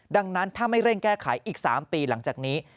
ดังนั้นถ้าไม่เร่งแก้ไขอีก๓ปีหลังจากนี้